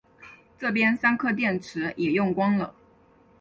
这边三颗电池也用光了